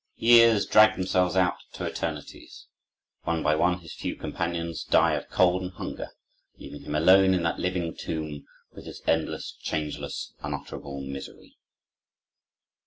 Years drag themselves out to eternities. One by one his few companions die of cold and hunger, leaving him alone in that living tomb, with his endless, changeless, unutterable misery.